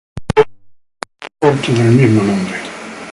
Cerca, está el puerto del mismo nombre.